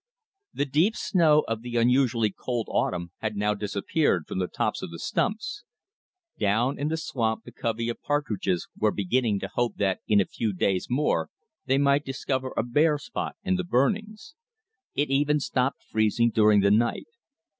The deep snow of the unusually cold autumn had now disappeared from the tops of the stumps. Down in the swamp the covey of partridges were beginning to hope that in a few days more they might discover a bare spot in the burnings. It even stopped freezing during the night.